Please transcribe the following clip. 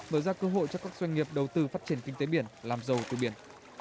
mở ra cơ hội cho các doanh nghiệp đầu tư phát triển kinh tế biển làm giàu từ biển